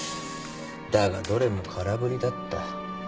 だがどれも空振りだった。